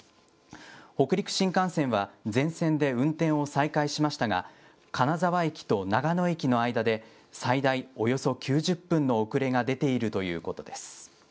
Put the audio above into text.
北陸新幹線は全線で運転を再開しましたが、金沢駅と長野駅の間で、最大およそ９０分の遅れが出ているということです。